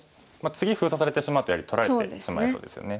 次封鎖されてしまうとやはり取られてしまいそうですよね。